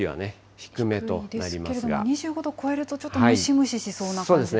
低めですけれども、２５度を超えるとちょっとムシムシしそうな感じですね。